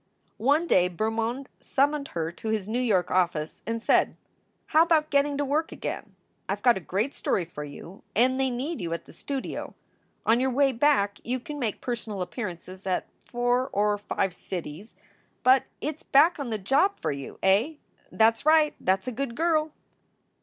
One day Bermond summoned her to his New York office and said: "How about getting to work again? I ve got a great story for you and they need you at the studio. On your way back you can make personal appearances at four or five cities, but it s back on the job for you, eh? That s right! That s a good girl!"